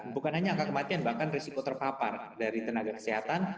bukan hanya angka kematian bahkan risiko terpapar dari tenaga kesehatan